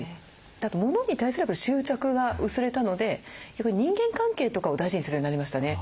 あとモノに対する執着が薄れたのでやっぱり人間関係とかを大事にするようになりましたね。